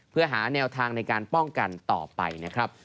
เพื่อหาแนวทางในการป้องกันต่อไปนะครับ